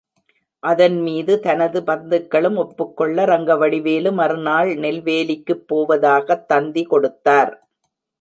அதன்மீது தனது பந்துக்களும் ஒப்புக்கொள்ள, ரங்கவடிவேலு மறுநாள் நெல்வேலிக்குப் போவதாகத் தந்தி கொடுத்தார்.